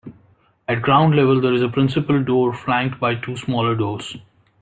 At ground level there is a principal door flanked by two smaller doors.